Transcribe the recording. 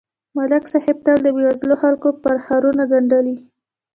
ملک صاحب تل د بېوزلو خلکو پرهارونه گنډلي